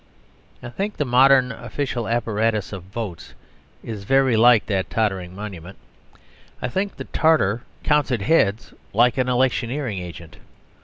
I think the modern official apparatus of "votes" is very like that tottering monument. I think the Tartar "counted heads," like an electioneering agent.